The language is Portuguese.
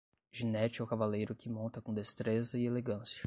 Ginete é o cavaleiro que monta com destreza e elegância